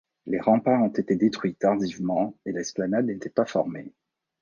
Les remparts ont été détruits tardivement et l'esplanade n'était pas formée.